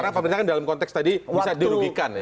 karena pemerintah kan dalam konteks tadi bisa dirugikan ya